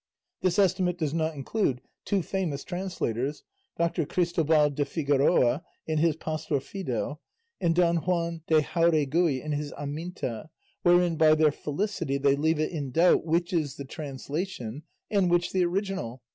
This estimate does not include two famous translators, Doctor Cristobal de Figueroa, in his Pastor Fido, and Don Juan de Jauregui, in his Aminta, wherein by their felicity they leave it in doubt which is the translation and which the original.